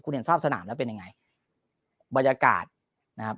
คุณเห็นทราบสนามแล้วเป็นยังไงบรรยากาศนะครับ